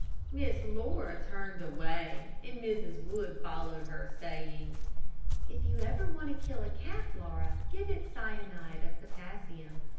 Miss Laura turned away, and Mrs. Wood followed her, saying: "If ever you want to kill a cat, Laura, give it cyanide of potassium.